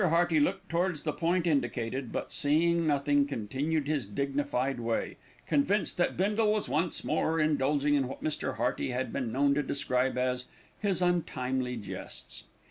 Hearty looked towards the point indicated; but, seeing nothing, continued his dignified way, convinced that Bindle was once more indulging in what Mr. Hearty had been known to describe as "his untimely jests."